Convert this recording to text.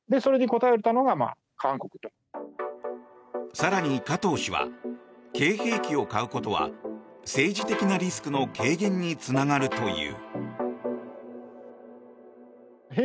更に、加藤氏はＫ‐兵器を買うことは政治的なリスクの軽減につながるという。